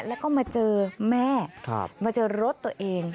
แล้วก็มาเจอแม่มาเจอรถตัวเอง